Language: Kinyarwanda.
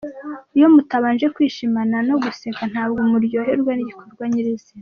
Iyo mutabanje kwishimana no guseka ntabwo muryoherwa n’igikorwa nyir’izina.